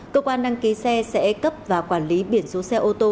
cơ quan đăng ký xe sẽ cấp và quản lý biển số xe ôtô